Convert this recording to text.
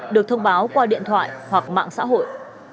được thông báo qua điện thoại hoặc mạng xã hội